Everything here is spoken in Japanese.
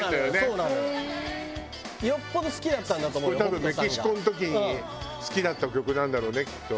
多分メキシコの時に好きだった曲なんだろうねきっと。